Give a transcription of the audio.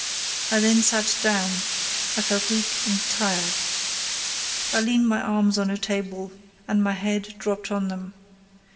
I then sat down: I felt weak and tired. I leaned my arms on a table, and my head dropped on them.